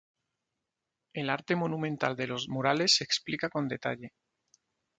El arte monumental de los murales se explica con detalle.